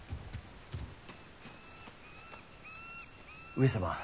上様